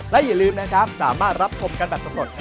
และอย่าลืมนะครับสามารถรับชมกันแบบสำรวจ